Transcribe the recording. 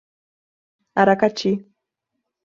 Aracati